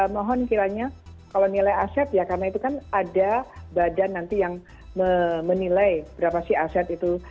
mohon kiranya kalau nilai aset ya karena itu kan ada badan nanti yang menilai berapa sih aset itu